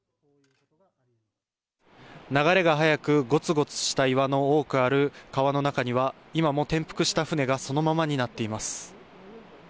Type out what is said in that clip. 流れが速く、ごつごつした岩の多くある川の中には、今も転覆した船がそのままになっています。